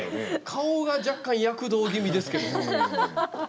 顔が若干躍動気味ですけども。